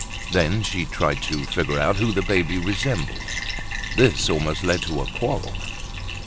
She then tried to figure out who the baby resembled. This almost led to a quarrel.